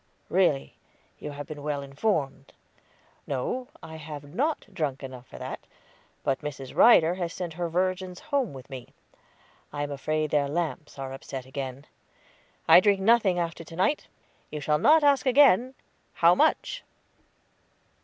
"Really, you have been well informed. No, I have not drunk enough for that; but Mrs. Ryder has sent her virgins home with me. I am afraid their lamps are upset again. I drink nothing after to night. You shall not ask again, 'How much?'"